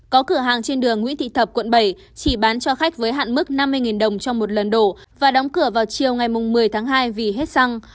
có cửa hàng trên đường nguyễn thị thập quận bảy chỉ bán cho khách với hạn mức năm mươi đồng trong một lần đổ và đóng cửa vào chiều ngày một mươi tháng hai vì hết xăng